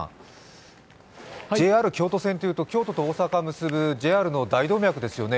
ＪＲ京都線というと京都と大阪を結ぶＪＲの大動脈ですよね。